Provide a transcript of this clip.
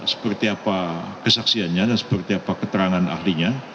seperti apa kesaksiannya dan seperti apa keterangan ahlinya